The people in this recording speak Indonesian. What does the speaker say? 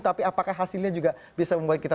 tapi apakah hasilnya juga bisa membuat kita